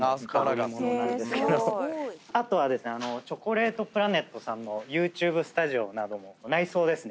あとはですねチョコレートプラネットさんのＹｏｕＴｕｂｅスタジオなども内装ですね。